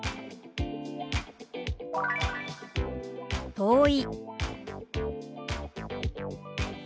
「遠い」。